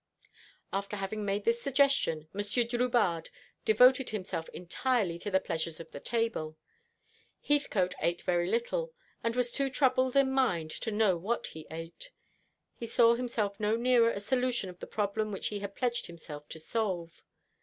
After having made this suggestion, Monsieur Drubarde devoted himself entirely to the pleasures of the table. Heathcote ate very little, and was too troubled in mind to know what he ate. He saw himself no nearer a solution of the problem which he had pledged himself to solve.